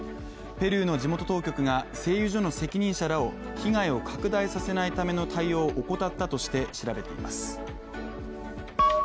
ペルーの地元当局が製油所の責任者らを被害を拡大させないための対応を怠ったとして調べています。